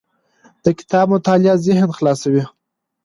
د کتاب مطالعه ذهن خلاصوي.